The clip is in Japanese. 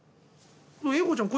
栄子ちゃん